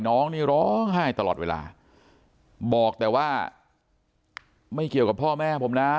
น้องนี่ร้องไห้ตลอดเวลาบอกแต่ว่าไม่เกี่ยวกับพ่อแม่ผมนะ